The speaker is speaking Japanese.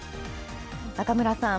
中村さん